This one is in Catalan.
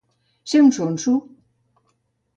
Ser un sonso.